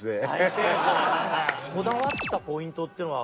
こだわったポイントっていうのは？